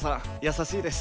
優しいです。